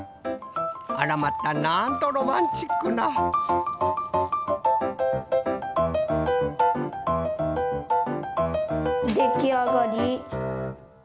あらまたなんとロマンチックなできあがり。